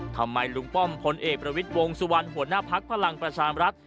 ทำไมลุงป้อมพลเอกประวิทย์วงสุวรรณหัวหน้าพักพลังประชามรัฐ